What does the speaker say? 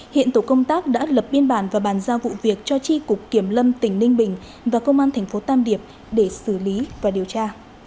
hiện tổ công tác đã lập biên bản và bàn giao vụ việc cho tri cục kiểm lâm tỉnh ninh bình và công an thành phố tam điệp để xử lý và điều tra